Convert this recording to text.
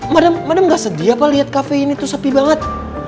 madem madem gak sedia apa lihat kafe ini tuh sepi banget